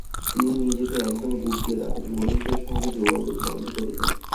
তিনি নিজেকে একদম গুটিয়ে রাখেন, বন্ধুদের সঙ্গে যোগাযোগ বন্ধ করে দেন।